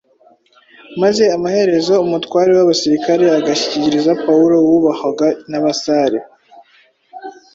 maze amaherezo umutware w’abasirikare agishyikiriza Pawulo wubahwaga n’abasare